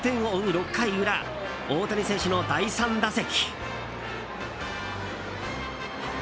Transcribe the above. ６回裏大谷選手の第３打席。